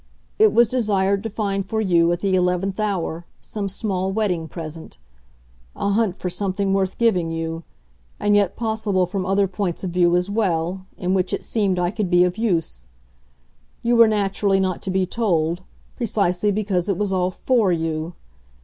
It was desired to find for you, at the eleventh hour, some small wedding present a hunt, for something worth giving you, and yet possible from other points of view as well, in which it seemed I could be of use. You were naturally not to be told precisely because it was all FOR you.